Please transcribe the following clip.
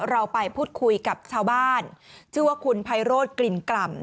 เราไปพูดคุยกับชาวบ้านชื่อว่าคุณไพโรธกลิ่นกล่ำ